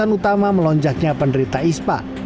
alasan utama melonjaknya penderita ispa